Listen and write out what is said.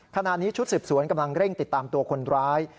ขณะนี้ชุดสืบสวนกำลังเร่งติดตามตัวคนร้าย